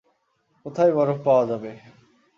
কোথায় বরফ পাওয়া যাবে।